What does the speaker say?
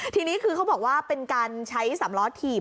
ทีนี้คือเขาบอกว่าเป็นการใช้สำล้อถีบ